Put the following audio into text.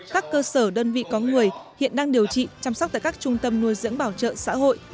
các cơ sở đơn vị có người hiện đang điều trị chăm sóc tại các trung tâm nuôi dưỡng bảo trợ xã hội